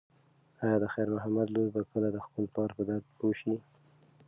ایا د خیر محمد لور به کله د خپل پلار په درد پوه شي؟